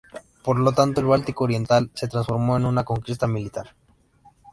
Por lo tanto, el Báltico oriental se transformó en una conquista militar.